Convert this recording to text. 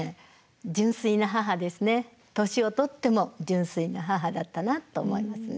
年を取っても純粋な母だったなと思いますね。